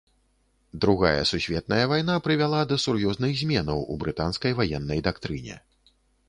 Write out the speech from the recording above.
Другая сусветная вайна прывяла да сур'ёзных зменаў у брытанскай ваеннай дактрыне.